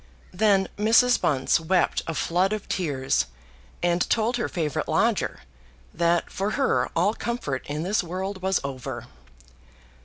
Then Mrs. Bunce wept a flood of tears, and told her favourite lodger that for her all comfort in this world was over.